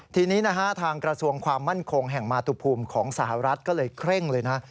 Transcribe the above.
ทีนี้นะฮะทางกระทรวงความมั่นคงแห่งมาตุภูมิของสหรัฐก็เลยเคร่งเลยนะ